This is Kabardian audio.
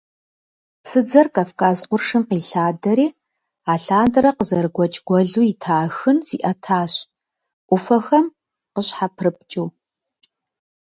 Псыдзэр Кавказ къуршым къилъадэри, алъандэрэ къызэрыгуэкӀ гуэлу ита Ахын зиӀэтащ, Ӏуфэхэм къыщхьэпрыпкӀыу.